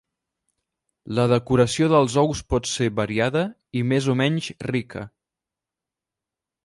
La decoració dels ous pot ser variada i més o menys rica.